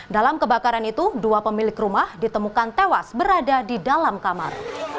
dalam kebakaran itu dua pemilik rumah ditemukan tewas berada di dalam kamar